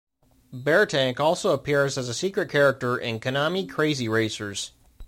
Beartank also appears as a secret character in Konami Krazy Racers.